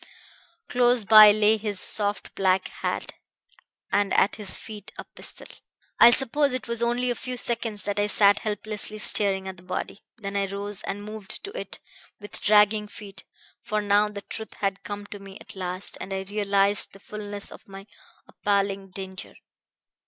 Close by lay his soft black hat, and at his feet a pistol. "I suppose it was only a few seconds that I sat helplessly staring at the body. Then I rose and moved to it with dragging feet; for now the truth had come to me at last, and I realized the fullness of my appalling danger.